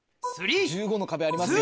１５の壁ありますよ。